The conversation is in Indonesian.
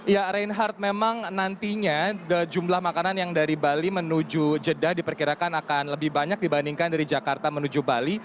ya reinhardt memang nantinya jumlah makanan yang dari bali menuju jeddah diperkirakan akan lebih banyak dibandingkan dari jakarta menuju bali